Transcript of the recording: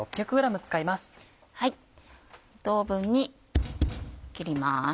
等分に切ります。